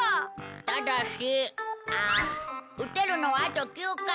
ただし撃てるのはあと９回。